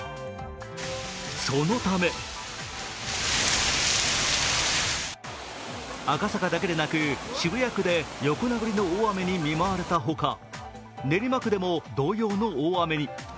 そのため赤坂だけでなく、渋谷区で横殴りの大雨に見舞われたほか、練馬区でも同様の大雨に。